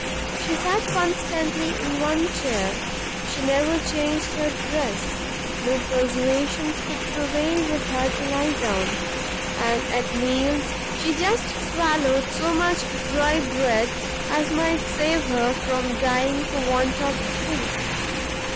She sat constantly in one chair, she never changed her dress, no persuasions could prevail with her to lie down, and at meals she just swallowed so much dry bread as might save her from dying for want of food.